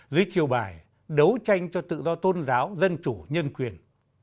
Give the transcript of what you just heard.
dưới chiều bài đấu tranh cho tự do tôn giáo dân chủ nhân quyền